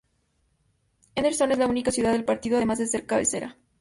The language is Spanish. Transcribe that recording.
Henderson es la única ciudad del Partido, además de ser cabecera.